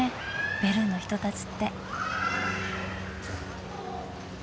ベルンの人たちって。